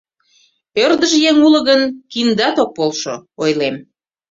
Ӧрдыж еҥ уло гын, киндат ок полшо, — ойлем.